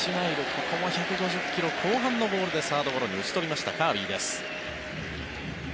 ここも１５０ｋｍ後半のボールでサードゴロに打ち取りましたカービーです。